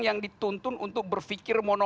yang dituntun untuk berpikir